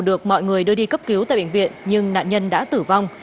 được mọi người đưa đi cấp cứu tại bệnh viện nhưng nạn nhân đã tử vong